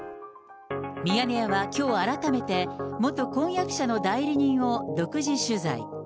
ミヤネ屋はきょう、改めて元婚約者の代理人を独自取材。